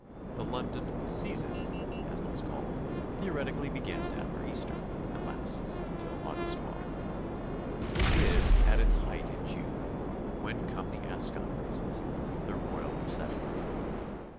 The London "Season," as it is called, theoretically begins after Easter and lasts till August 12. It is at its height in June, when come the Ascot races, with their royal processions.